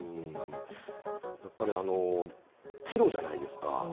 やっぱりテロじゃないですか。